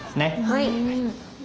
はい！